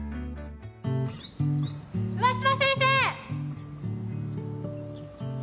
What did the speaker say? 上嶋先生！